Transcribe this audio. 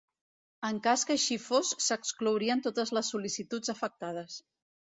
En cas que així fos s'exclourien totes les sol·licituds afectades.